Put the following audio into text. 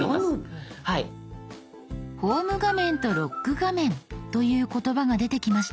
「ホーム画面」と「ロック画面」という言葉が出てきました。